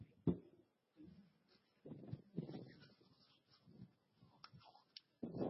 walioteuliwa na umoja wa afri